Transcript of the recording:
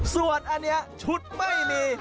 ส่วนอันนี้ชุดไม่มี